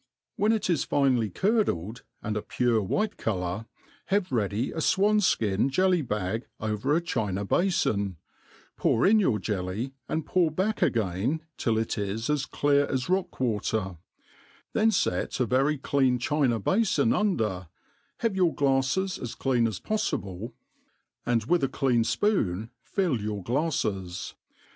When it is finely cur(?led, and a pure white colour, have ready a fwan ikin jelly bag over a china sba fon, pour in your jelly, and pour back again till it is as clear as rock water ^ then fet a very clean china bafon under^ have your t / MADE PLAIN AND EASY. 295 your glailes as clean as poflible, and with a clean fpoon fill your glafies.